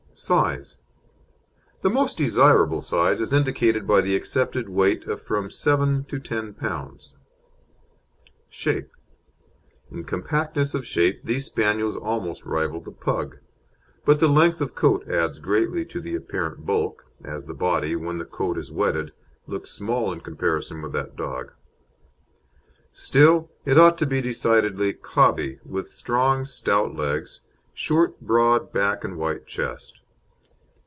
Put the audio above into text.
SIZE The most desirable size is indicated by the accepted weight of from 7 lb. to 10 lb. SHAPE In compactness of shape these Spaniels almost rival the Pug, but the length of coat adds greatly to the apparent bulk, as the body, when the coat is wetted, looks small in comparison with that dog. Still, it ought to be decidedly "cobby," with strong, stout legs, short broad back and wide chest.